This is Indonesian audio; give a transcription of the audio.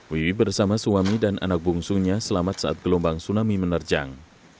wiwi bersama suami dan anak bungsunya selamat saat gelombang tsunami menerjang